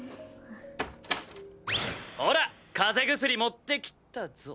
ほら風邪薬持ってきたぞ。